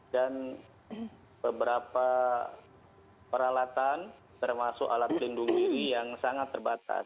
dan beberapa peralatan termasuk alat lindung ini yang sangat terbatas